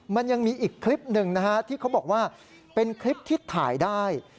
มันยังมีอีกคลิปหนึ่งนะฮะที่เขาบอกว่าเป็นคลิปที่ถ่ายได้